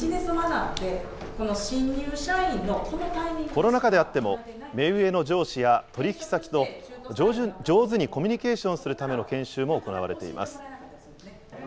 コロナ禍であっても、目上の上司や取り引き先と上手にコミュニケーションするための研修も行われています。